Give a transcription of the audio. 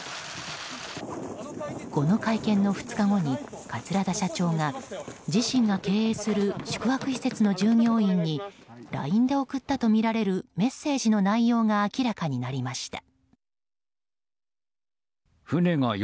この会見の２日後に桂田社長が自身が経営する宿泊施設の従業員にＬＩＮＥで送ったとみられるメッセージの内容が明らかになりました。